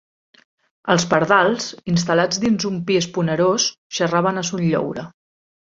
Els pardals, instal·lats dins un pi esponerós, xerraven a son lloure.